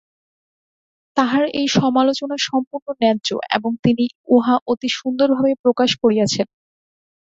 তাঁহার এই সমালোচনা সম্পূর্ণ ন্যায্য এবং তিনি উহা অতি সুন্দরভাবে প্রকাশ করিয়াছেন।